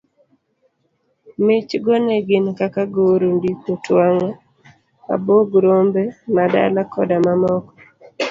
Mich go ne gin kaka, goro, ndiko, twang'o abuog rombemadala koda mamoko.